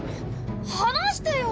話してよ。